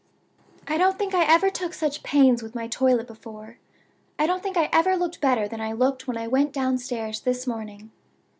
"I don't think I ever took such pains with my toilet before. I don't think I ever looked better than I looked when I went downstairs this morning.